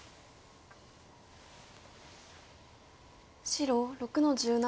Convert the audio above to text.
白６の十七。